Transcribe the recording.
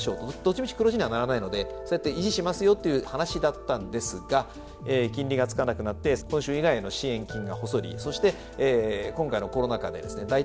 どっちみち黒字にはならないのでそうやって維持しますよという話だったんですが金利がつかなくなって本州以外の支援金が細りそして今回のコロナ禍でですね